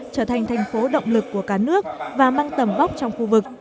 trở thành thành phố động lực của cả nước và mang tầm vóc trong khu vực